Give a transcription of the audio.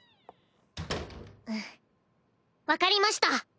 んっ分かりました。